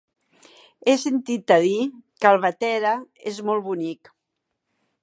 He sentit a dir que Albatera és molt bonic.